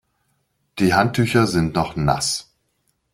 Die Handtücher sind noch nass.